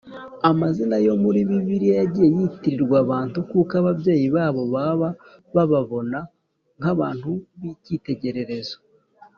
amazina yo muri Bibiliya yagiye yitirirwa abantu kuko ababyeyi babo baba bababona nkabantu bikitegererezo.